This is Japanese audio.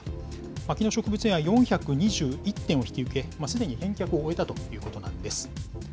牧野植物園は４２１点を引き受け、すでに返却を終えたということなんです。